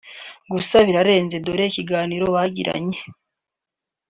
gusa birarenze dore ikiganiro bagiranye